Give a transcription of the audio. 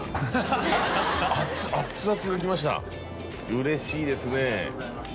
うれしいですね。